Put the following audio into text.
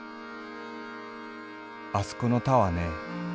「あすこの田はねえ